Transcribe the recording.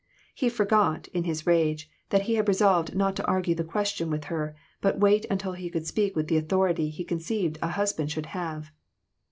He forgot, in his rage, that he had resolved not to argue the ques tion with her, but wait until he could speak with the authority he conceived a husband should have.